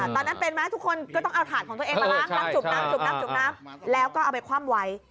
ตอนนั้นเป็นไหมทุกคนก็ต้องเอาถาดของตัวเองมาล้างนับจุบนับแล้วก็เอาไปคว่ำไว